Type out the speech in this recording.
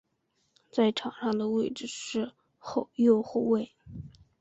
在场上的位置是右后卫。